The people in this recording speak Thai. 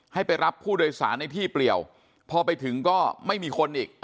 ให้ไปรับผู้โดยสารในที่เปลี่ยวพอไปถึงก็ไม่มีคนอีก